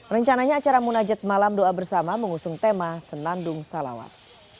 rencananya acara munajat malam doa bersama mengusung tema senandung salawat